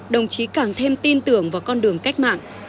đồng chí càng thêm tin tưởng vào con đường cách mạng